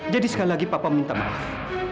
jadi sekali lagi papa minta maaf